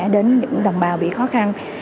đến những đồng bào bị khó khăn